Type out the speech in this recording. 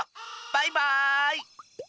バイバーイ！